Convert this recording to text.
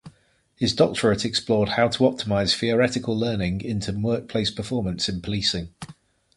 His doctorate explored how to optimise theoretical learning into workplace performance in policing.